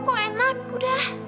kok enak udah